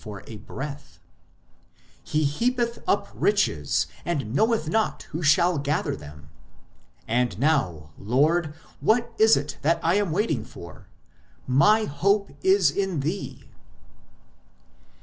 for a breath] ; he heapeth up (riches), and knoweth not who shall gather them. And now, Lord, what is it that I am waiting for ? My hope is in thee